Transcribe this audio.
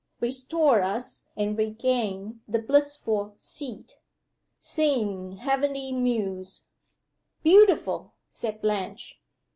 Restore us and regain the blissful seat. Sing heavenly Muse " "Beautiful!" said Blanche.